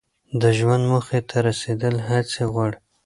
د ژوند موخې ته رسیدل هڅې غواړي.